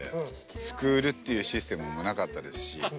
スクールっていうシステムもなかったですし。